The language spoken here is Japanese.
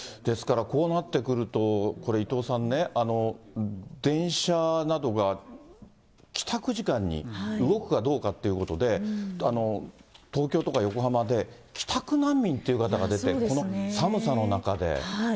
ですから、こうなってくると、伊藤さんね、電車などが帰宅時間に動くかどうかということで、東京とか横浜で、帰宅難民という方が出て、この寒さの中で。